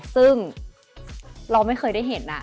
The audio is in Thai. ซึ่งเราไม่เคยได้เห็น